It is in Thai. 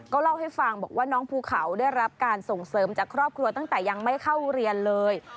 เล่าให้ฟังบอกว่าน้องภูเขาได้รับการส่งเสริมจากครอบครัวตั้งแต่ยังไม่เข้าเรียนเลย